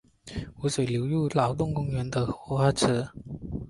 湖水流入劳动公园的荷花池。